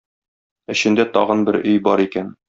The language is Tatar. Эчендә тагын бер өй бар икән.